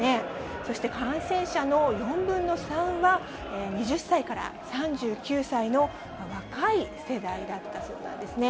そして感染者の４分の３は、２０歳から３９歳の若い世代だったそうなんですね。